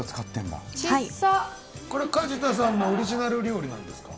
梶田さんのオリジナル料理なんですか。